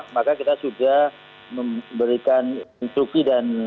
maka kita sudah memberikan instruksi dan